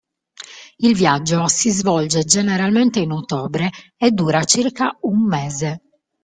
Il viaggio si svolge generalmente in ottobre e dura circa un mese.